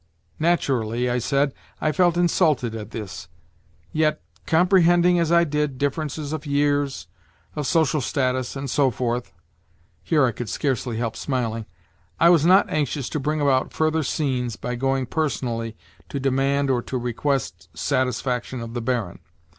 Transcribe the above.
Naturally, I said, I felt insulted at this. Yet, comprehending as I did, differences of years, of social status, and so forth (here I could scarcely help smiling), I was not anxious to bring about further scenes by going personally to demand or to request satisfaction of the Baron.